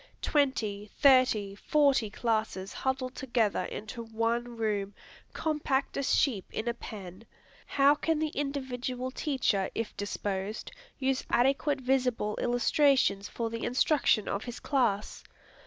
Twenty, thirty, forty classes huddled together into one room, compact as sheep in a pen, how can the individual teacher, if disposed, use adequate visible illustrations for the instruction of his class?